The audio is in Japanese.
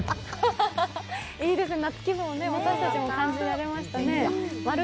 いいですね、夏気分を私たちも感じられましたね。